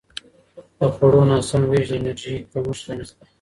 د خوړو ناسم وېش د انرژي کمښت رامنځته کوي.